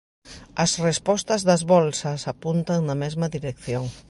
As respostas das bolsas apuntan na mesma dirección.